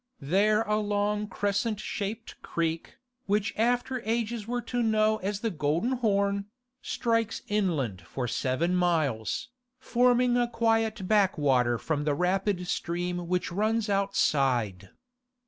There a long crescent shaped creek, which after ages were to know as the Golden Horn, strikes inland for seven miles, forming a quiet backwater from the rapid stream which runs outside.